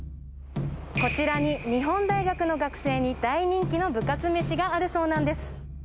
こちらに日本大学の学生に大人気の部活めしがあるそうなんです。